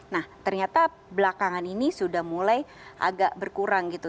nah ternyata belakangan ini sudah mulai agak berkurang gitu